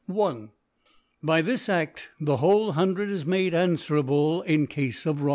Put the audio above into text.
1. By this Aft the whole Hundred is made anfwcrable in Cafe of Robberies.